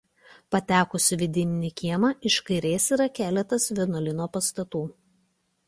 Patekus į vidinį kiemą iš kairės yra keletas vienuolyno pastatų.